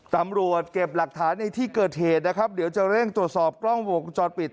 ตำรวจเก็บหลักฐานในที่เกิดเหตุนะครับเดี๋ยวจะเร่งตรวจสอบกล้องวงจอดปิด